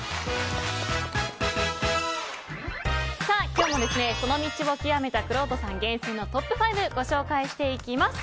今日もその道を究めたくろうとさん厳選のトップ５をご紹介していきます。